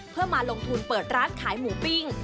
เพื่อมาลงทุนเปิดร้านขายหมูปิ้ง